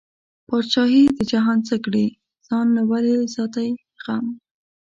بادشاهي د جهان څه کړې، ځان له ولې زیاتی غم